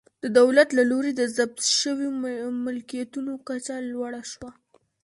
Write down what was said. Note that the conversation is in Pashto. د دولت له لوري د ضبط شویو ملکیتونو کچه لوړه شوه